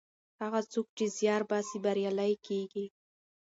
هغه څوک چې زیار باسي بریالی کیږي.